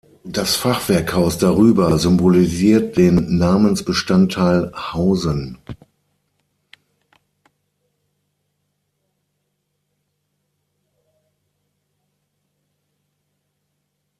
Das Fachwerkhaus darüber symbolisiert den Namensbestandteil "-hausen".